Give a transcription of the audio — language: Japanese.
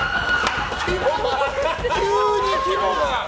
急に規模が！